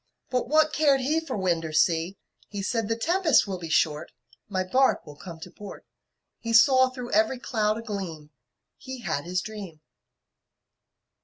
But what cared he For wind or sea! He said, "The tempest will be short, My bark will come to port." He saw through every cloud a gleam He had his dream.